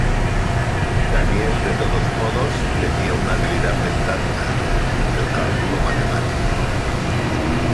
Daniel, de todos modos, tenía una habilidad mental más: el cálculo matemático.